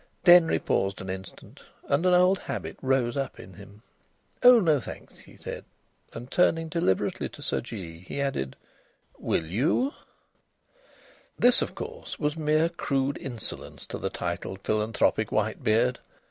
Denry paused an instant, and an old habit rose up in him. "Oh no, thanks," he said, and turning deliberately to Sir Jee, he added: "Will you?" This, of course, was mere crude insolence to the titled philanthropic white beard.